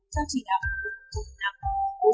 theo chỉ đạo của bộ thông tin và truyền thông